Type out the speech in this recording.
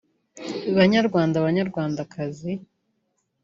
Banyarwanda Banyarwandakazi